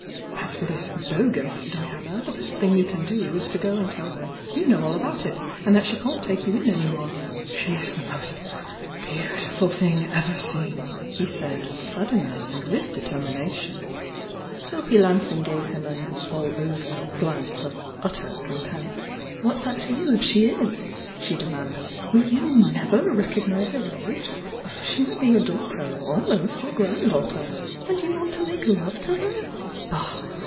As for this 'bo gus Diana, the best thing you can do is to go and te 1 her you know all about it, and that she can't take you .n any more." "She's the most beautiful thing ever seen'" he said, suddenly and with determination. Sophy Lansing gave him an "all over" glance of utter contempt. »«"« o oj "w^"*'^ *•"° y°" '^^^"^" she demanded. WiU you never recognise your age? She might be your daughter— almost your granddaughter! And you want to make love to her? Bah